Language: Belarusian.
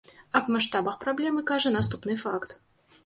Аб маштабах праблемы кажа наступны факт.